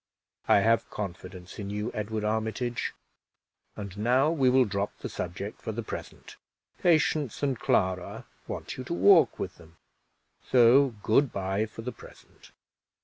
"I have confidence in you, Edward Armitage; and now we will drop the subject for the present; Patience and Clara want you to walk with them, so good by for the present."